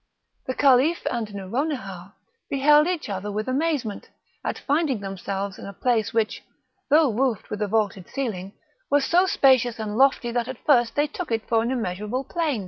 The Caliph and Nouronihar beheld each other with amazement, at finding themselves in a place which, though roofed with a vaulted ceiling, was so spacious and lofty that at first they took it for an immeasurable plain.